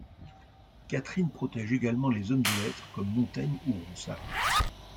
Catherine protège également les hommes de lettres comme Montaigne ou Ronsard.